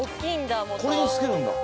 これにつけるんだ？